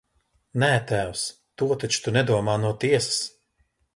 Nē, tēvs, to taču tu nedomā no tiesas!